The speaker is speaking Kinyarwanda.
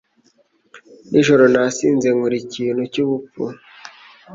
Nijoro nasinze nkora ikintu cyubupfu.